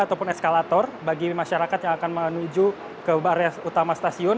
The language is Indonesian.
ataupun eskalator bagi masyarakat yang akan menuju ke area utama stasiun